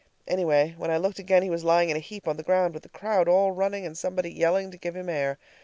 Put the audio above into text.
Anyway, when I looked again he was lying in a heap on the ground, with the crowd all running, and somebody yelling to give him air.